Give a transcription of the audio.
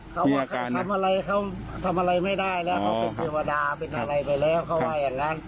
เขาบอกเขาทำอะไรเขาทำอะไรไม่ได้แล้วเขาเป็นเทวดาเป็นอะไรไปแล้วเขาว่าอย่างนั้น